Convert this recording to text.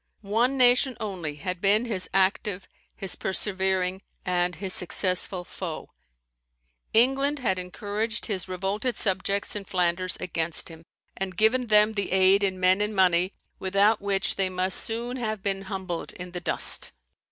One nation only had been his active, his persevering, and his successful foe. England had encouraged his revolted subjects in Flanders against him, and given them the aid in men and money without which they must soon have been humbled in the dust.